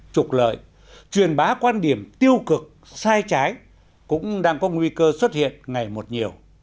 trục lợi truyền bá quan điểm tiêu cực sai trái cũng đang có nguy cơ xuất hiện ngày một nhiều